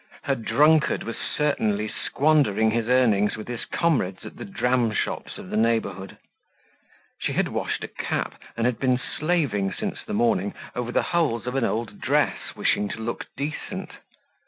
Her drunkard was certainly squandering his earnings with his comrades at the dram shops of the neighborhood. She had washed a cap and had been slaving since the morning over the holes of an old dress, wishing to look decent.